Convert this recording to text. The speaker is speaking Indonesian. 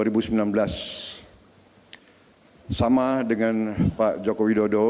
atas semua penyelenggaraan